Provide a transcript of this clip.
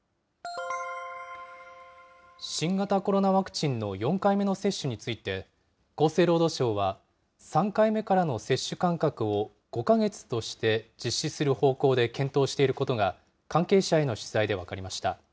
新型コロナワクチンの４回目の接種について、厚生労働省は、３回目からの接種間隔を５か月として実施する方向で検討していることが、関係者への取材で分かりました。